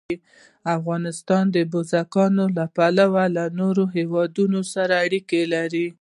افغانستان د بزګان له پلوه له نورو هېوادونو سره اړیکې لري.